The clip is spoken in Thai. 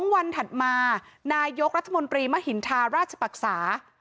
วันถัดมานายกรัฐมนตรีมหินทาราชปรักษา